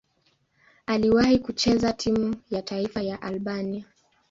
Aliwahi kucheza timu ya taifa ya Albania.